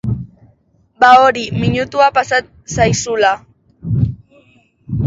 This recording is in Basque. Ba hori, minutua pasa zaizula.